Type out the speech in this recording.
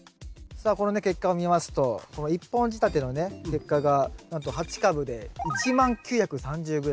さあこのね結果を見ますと１本仕立てのね結果がなんと８株で１万９３０ｇ。